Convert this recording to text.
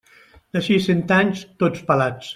D'ací a cent anys, tots pelats.